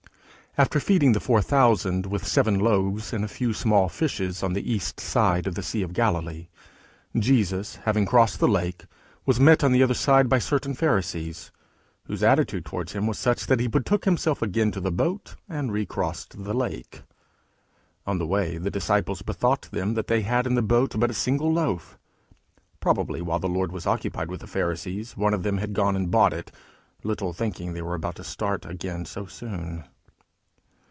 After feeding the four thousand with seven loaves and a few small fishes, on the east side of the Sea of Galilee, Jesus, having crossed the lake, was met on the other side by certain Pharisees, whose attitude towards him was such that he betook himself again to the boat, and recrossed the lake. On the way the disciples bethought them that they had in the boat but a single loaf: probably while the Lord was occupied with the Pharisees, one of them had gone and bought it, little thinking they were about to start again so soon.